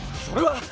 それは！